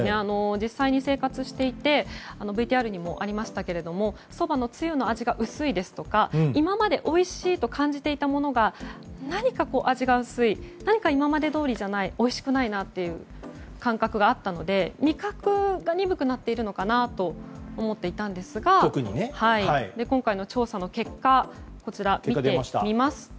実際に生活をしていてＶＴＲにもありましたがそばのつゆの味が薄いですとか今までおいしいと感じていたものが何か味が薄い今までどおりじゃないおいしくないという感覚があったので味覚が鈍くなっているのかと思っていたんですが今回の調査の結果を見てみますと